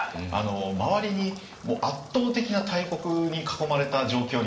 周りに圧倒的な大国に囲まれた状況になってるんです。